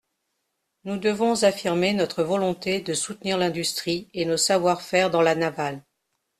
Nous devons affirmer notre volonté de soutenir l’industrie et nos savoir-faire dans la navale.